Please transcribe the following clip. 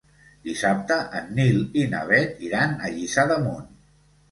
Dissabte en Nil i na Bet iran a Lliçà d'Amunt.